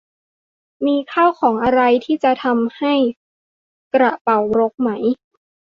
มีข้าวของอะไรที่จะทำให้กระเป๋ารกไหม